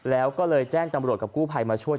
แล้วก็เลยแจ้งตำรวจกับกู้ภัยมาช่วย